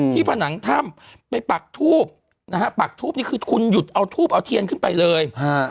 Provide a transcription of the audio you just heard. ผนังถ้ำไปปักทูบนะฮะปักทูบนี่คือคุณหยุดเอาทูบเอาเทียนขึ้นไปเลย